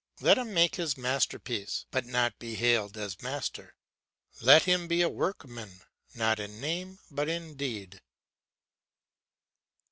Let him make his masterpiece, but not be hailed as master; let him be a workman not in name but in deed.